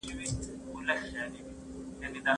ولي مدام هڅاند د لایق کس په پرتله بریا خپلوي؟